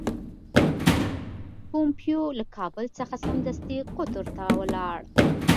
پومپیو له کابل څخه سمدستي قطر ته ولاړ.